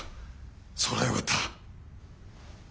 それはよかった。